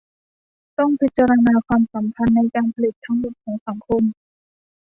ต้องพิจารณาความสัมพันธ์ในการผลิตทั้งหมดของสังคม